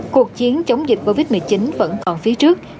cuộc chiến chống dịch covid một mươi chín vẫn còn phía trước